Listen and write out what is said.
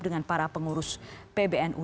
dengan para pengurus pbnu